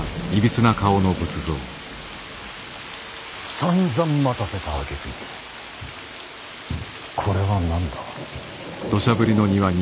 さんざん待たせたあげくにこれは何だ。